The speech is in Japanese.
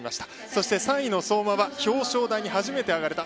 そして３位の相馬は表彰台に初めて上がれた。